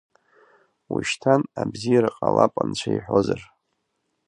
Ушьҭан абзиара ҟалап анцәа иҳәозар.